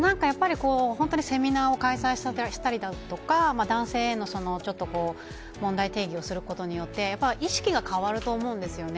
セミナーを開催したりだとか男性への問題提起をすることによって意識が変わると思うんですよね。